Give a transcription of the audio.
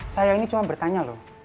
saya ini cuma bertanya loh